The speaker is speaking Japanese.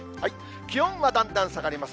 気温はだんだん下がります。